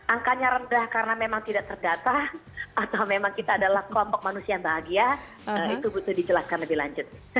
angkanya rendah karena memang tidak terdata atau memang kita adalah kelompok manusia yang bahagia itu butuh dijelaskan lebih lanjut